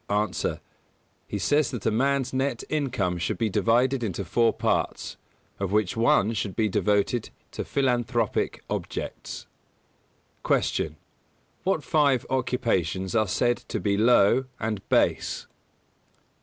_ A. He says that a man's net income should be divided into four parts, of which one should be devoted to philanthropic objects. 219. Q. _What five occupations are said to be low and base?